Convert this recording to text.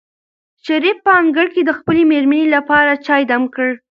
شریف په انګړ کې د خپلې مېرمنې لپاره چای دم کړ.